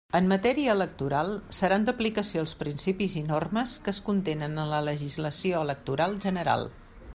En matèria electoral, seran d'aplicació els principis i normes que es contenen en la legislació electoral general.